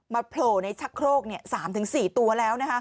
โผล่ในชักโครก๓๔ตัวแล้ว